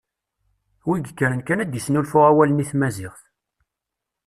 Wi ikkren kan ad d-isnulfu awalen i tmaziɣt.